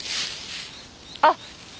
あっ。